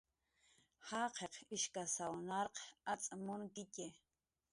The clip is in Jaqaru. Jaqiq ishkasw narq acx' munkitxi